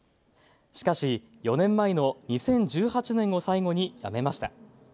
しかし、４年前の２０１８年を最後にやめました。